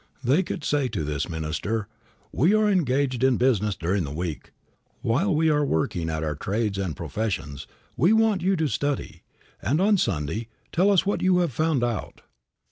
They could say to this minister: "We are engaged in business during the week; while we are working at our trades and professions, we want you to study, and on Sunday tell us what you have found out."